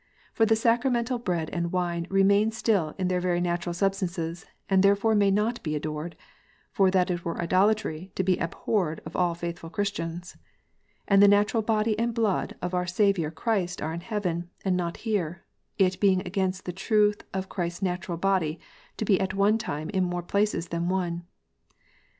For the sacramental bread and wine remain still in their very natural substances, and therefore may not be adored (for that were idolatry, to be abhorred of all faithful Christians) ; and the natural body and blood of our Saviour Christ are in heaven, and not here ; it being against the truth of Christ s natural body to be at one time in more places than one."